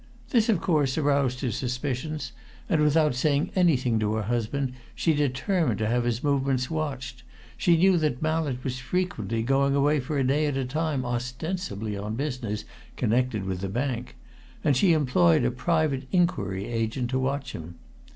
This, of course, aroused her suspicions, and without saying anything to her husband she determined to have his movements watched. She knew that Mallett was frequently going away for a day at a time, ostensibly on business connected with the bank, and she employed a private inquiry agent to watch him.